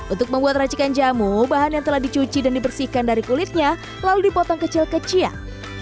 untuk membuat racikan jamu bahan yang telah dicuci dan dibersihkan dari kulitnya lalu dipotong kecil kecil